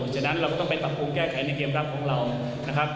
ฉะนั้นเราก็ต้องไปปรับปรุงแก้ไขในเกมรับของเรานะครับ